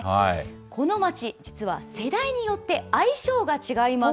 この街、実は世代によって愛称が違います。